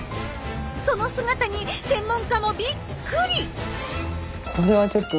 その姿に専門家もびっくり！